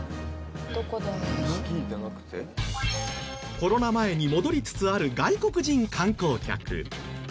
コロナ前に戻りつつある外国人観光客。